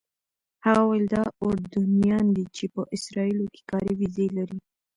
هغه وویل دا اردنیان دي چې په اسرائیلو کې کاري ویزې لري.